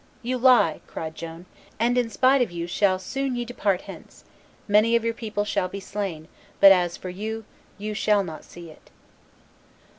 "You lie," cried Joan, "and in spite of you soon shall ye depart hence; many of your people shall be slain; but as for you, you shall not see it."